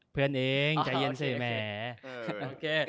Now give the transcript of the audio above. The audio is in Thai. เพื่อนเองใจเย็นสิแหม